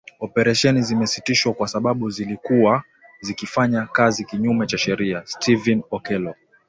Operesheni zimesitishwa kwa sababu zilikuwa zikifanya kazi kinyume cha sheria, Stephen Okello